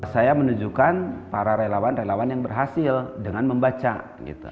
saya menunjukkan para relawan relawan yang berhasil dengan membaca gitu